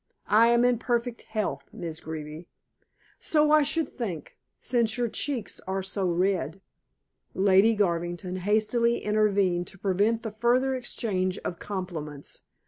"I am in perfect health, Miss Greeby." "So I should think, since your cheeks are so red." Lady Garvington hastily intervened to prevent the further exchange of compliments.